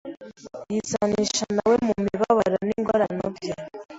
Yisanisha na we mu mibabaro n’ingorane bye.